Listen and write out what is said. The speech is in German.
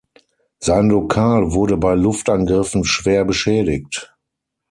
Sein Lokal wurde bei Luftangriffen schwer beschädigt.